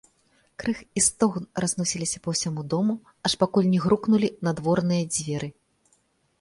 Крык і стогн разносіліся па ўсяму дому, аж пакуль не грукнулі надворныя дзверы.